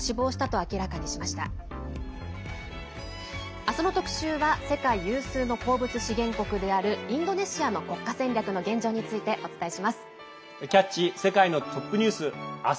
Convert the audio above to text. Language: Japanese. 明日の特集は世界有数の鉱物資源国であるインドネシアの国家戦略の現状についてお伝えします。